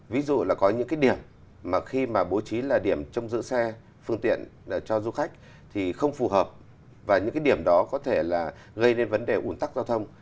ví dụ là có những cái điểm mà khi mà bố trí là điểm trông giữ xe phương tiện cho du khách thì không phù hợp và những cái điểm đó có thể là gây nên vấn đề ủn tắc giao thông